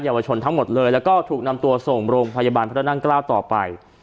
ยาวชนทั้งหมดเลยแล้วก็ถูกนำตัวส่งโรงพยาบาลพระนั่งเกล้าต่อไป